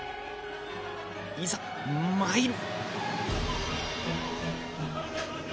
いざ参る！